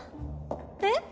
えっ？